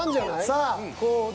さあこうね。